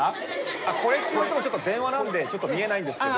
あっこれって言われても電話なんでちょっと見えないんですけど。